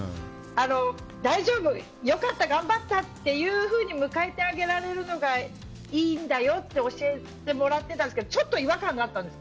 大丈夫、良かった頑張ってっていうふうに迎えてあげられるのがいいんだよって教えてもらってちょっと違和感があったんです。